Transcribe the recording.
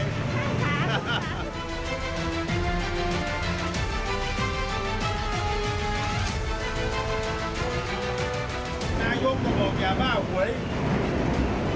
ครับครับ